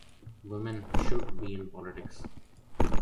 Women should be in politics.